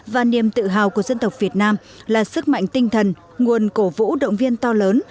và niềm tự hào của dân tộc việt nam là sức mạnh tinh thần nguồn cổ vũ động viên to lớn